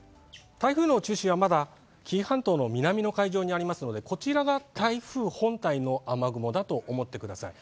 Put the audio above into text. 台風の中心はまだ紀伊半島の南の海上にありますので、こちらが台風本体の雨雲だと思ってください。